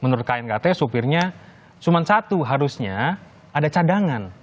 menurut knkt supirnya cuma satu harusnya ada cadangan